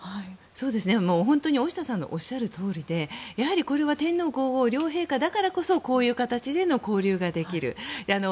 本当に大下さんのおっしゃるとおりでやはりこれは天皇・皇后両陛下だからこそこういう形での交流ができる。